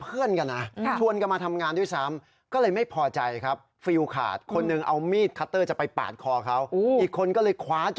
เลี้ยงไม่เชื่องเอาแล้วพี่ไม่เป็นไร